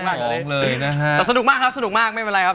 แต่สนุกมากครับสนุกมากไม่เป็นไรครับ